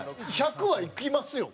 １００はいきますよ